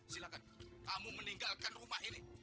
silakan kamu meninggalkan rumah ini